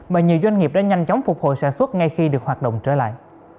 mà nhiều doanh nghiệp đã nhanh chóng phục hồi sản xuất ngay khi được hoạt động trở lại